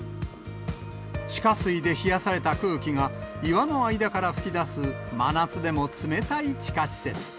地下水で冷やされた空気が、岩の間から吹き出す真夏でも冷たい地下施設。